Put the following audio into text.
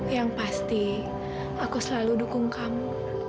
yang pasti aku selalu dukung kamu